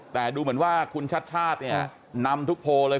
แต่ดูเหมือนว่าคุณชาติชาติเนี่ยนำทุกโพลเลย